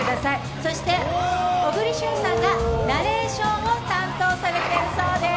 そして、小栗旬さんがナレーションを担当されているそうです。